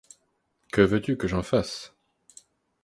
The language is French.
Que veux-tu que j'en fasse ?